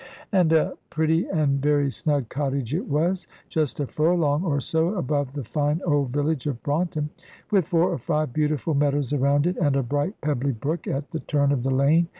And a pretty and very snug cottage it was, just a furlong, or so, above the fine old village of Braunton, with four or five beautiful meadows around it, and a bright pebbly brook at the turn of the lane.